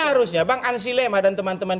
harusnya bang ansi lema dan teman teman